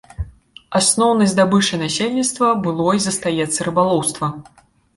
Асноўнай здабычай насельніцтва было і застаецца рыбалоўства.